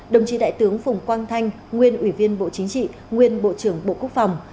đồng chí đại tướng phùng quang thanh nguyên ủy viên bộ chính trị nguyên bộ trưởng bộ quốc phòng